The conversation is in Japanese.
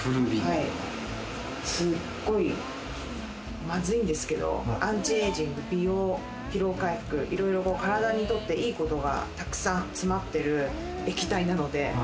すっごいまずいんですけれど、アンチエイジング、美容、疲労回復、いろいろと体にとっていいことがたくさん詰まってる液体なので。